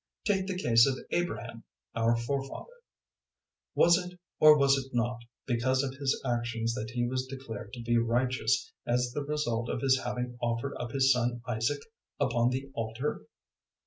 Take the case of Abraham our forefather. 002:021 Was it, or was it not, because of his actions that he was declared to be righteous as the result of his having offered up his son Isaac upon the altar?